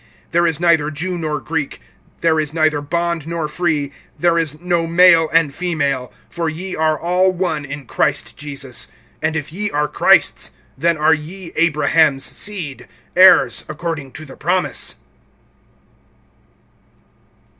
(28)There is neither Jew nor Greek, there is neither bond nor free, there is no male and female; for ye are all one in Christ Jesus. (29)And if ye are Christ's, then are ye Abraham's seed, heirs according to the promise.